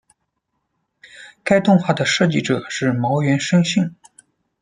该动画的设计者是茅原伸幸。